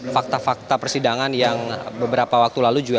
fakta fakta persidangan yang beberapa waktu lalu juga